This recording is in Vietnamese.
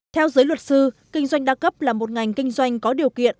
theo giới luật sư kinh doanh đa cấp là một ngành kinh doanh có điều kiện